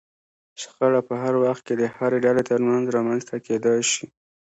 شخړه په هر وخت کې د هرې ډلې ترمنځ رامنځته کېدای شي.